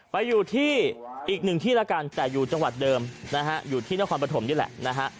ไปอยู่ที่อีกหนึ่งที่แล้วกันแต่อยู่จังหวัดเดิมนะฮะอยู่ที่นครปฐมนี่แหละนะฮะ